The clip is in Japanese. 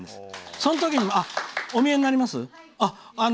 そのときにお見えになります？